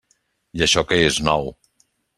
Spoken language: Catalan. I això que és nou.